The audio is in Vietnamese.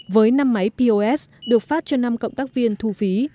với năm máy pos được phát cho năm cộng tác viên thu phí